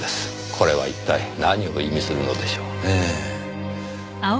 これは一体何を意味するのでしょうね？